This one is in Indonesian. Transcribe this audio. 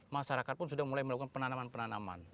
masyarakat pun sudah mulai melakukan penanaman penanaman